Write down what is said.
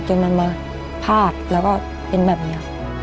จนมันมาพาดแล้วก็เป็นแบบนี้